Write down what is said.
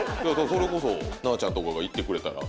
それこそなぁちゃんとかが行ってくれたら。